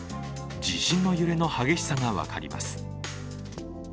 地震の揺れの激しさが分かります。